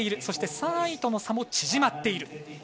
そして、３位との差も縮まっている。